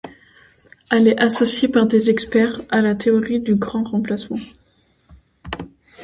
Elle est associée par des experts à la théorie du grand remplacement.